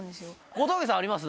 小峠さんあります？